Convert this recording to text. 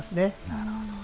なるほど。